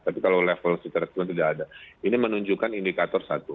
tapi kalau level secretnya tidak ada ini menunjukkan indikator satu